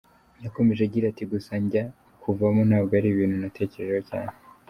Yakomeje agira ati “Gusa njya kuvamo ntabwo ari ibintu natekerejeho cyane.